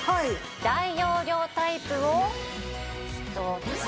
大容量タイプを１つ。